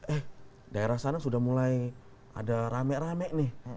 eh daerah sana sudah mulai ada rame rame nih